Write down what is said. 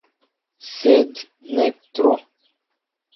Sed ne tro.